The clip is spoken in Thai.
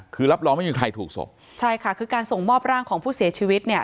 คือรับรองไม่มีใครถูกศพใช่ค่ะคือการส่งมอบร่างของผู้เสียชีวิตเนี่ย